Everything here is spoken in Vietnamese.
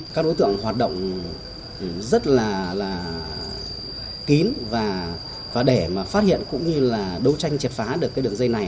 các đối tượng hoạt động rất là kín và để mà phát hiện cũng như là đấu tranh triệt phá được cái đường dây này